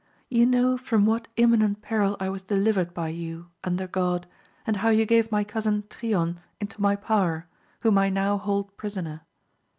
Ye know from what imminent peril I was deUvered by you, un der Grod, and how ye gave my cousin Trion into my power whom I now hold prisoner.